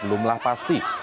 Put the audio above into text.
besok belumlah pasti